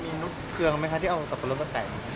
มีรูปเกลือร์บ้างที่ดูนะครับ